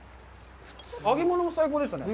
揚げ物も最高でしたね。